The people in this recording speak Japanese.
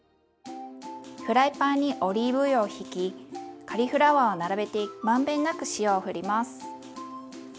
フライパンにオリーブ油をひきカリフラワーを並べて満遍なく塩をふります。